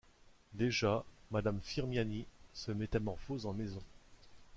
Déjà, madame Firmiani se métamorphose en maison.